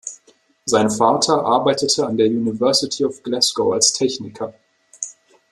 Sein Vater arbeitete an der University of Glasgow als Techniker.